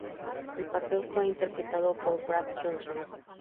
El papel fue interpretado por Brad Johnson.